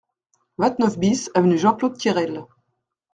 vingt-neuf BIS avenue Jean Claude Cayrel